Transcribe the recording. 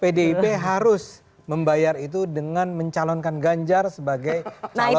pdip harus membayar itu dengan mencalonkan ganjar sebagai calon